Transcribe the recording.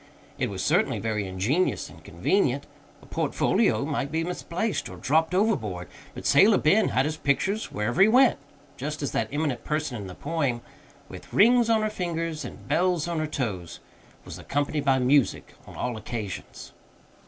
It was certainly very ingenious and convenient. A portfolio might be misplaced, or dropped overboard; but Sailor Ben had his pictures wherever he went, just as that eminent person in the poem, "With rings on her fingers and bells on her toes" was accompanied by music on all occasions.